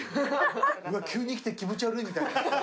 うわ急に来て気持ち悪いみたいな。